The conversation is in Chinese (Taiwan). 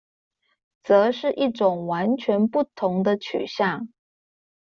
則是一種完全不同的取向